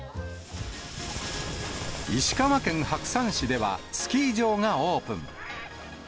石川県白山市では、スキー場がオープン。